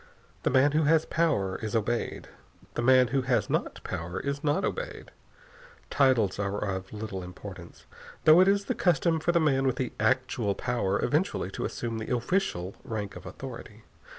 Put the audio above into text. The man who has power is obeyed. The man who has not power is not obeyed. Titles are of little importance, though it is the custom for the man with the actual power eventually to assume the official rank of authority.